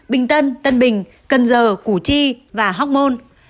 bình tân tân bình cần giờ củ chi và hóc môn